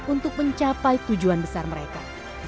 untuk mencapai tujuan besar mereka